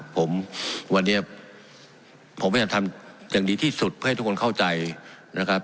ผมวันนี้ผมพยายามทำอย่างดีที่สุดเพื่อให้ทุกคนเข้าใจนะครับ